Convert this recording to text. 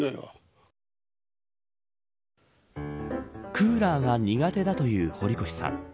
クーラーが苦手だという堀越さん。